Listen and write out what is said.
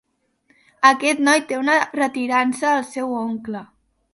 Aquest noi té una retirança al seu oncle.